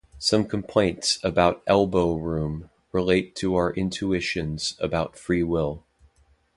Some complaints about "Elbow Room" relate to our intuitions about free will.